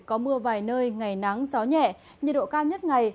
có mưa vài nơi ngày nắng gió nhẹ nhiệt độ cao nhất ngày